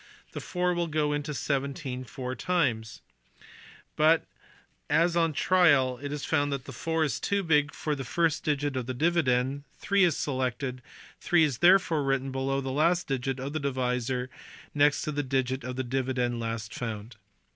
Then 4 will go into 17 four times ; but, as on trial it is found that 4 is too big for the first digit of the dividend, 3 is selected ; 3 is therefore written below the last digit of the divisor and next to the digit of the dividend last found.